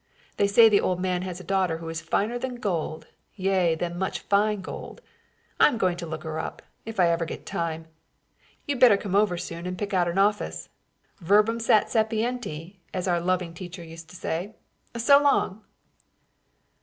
They say the old man has a daughter who is finer than gold; yea, than much fine gold. I'm going to look her up, if I ever get time. You'd better come over soon and pick out an office. Verbum sat sapienti, as our loving teacher used to say. So long!"